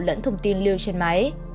lẫn thông tin lưu trên máy